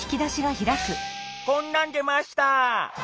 こんなん出ました。